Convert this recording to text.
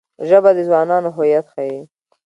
ژبه د ځوانانو هویت ښيي